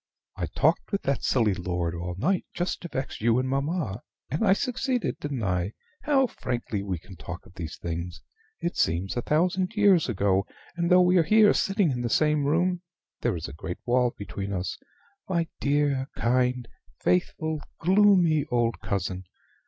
I talked with that silly lord all night just to vex you and mamma, and I succeeded, didn't I? How frankly we can talk of these things! It seems a thousand years ago: and, though we are here sitting in the same room, there is a great wall between us. My dear, kind, faithful, gloomy old cousin!